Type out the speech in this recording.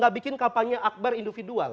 gak bikin kampanye akbar individual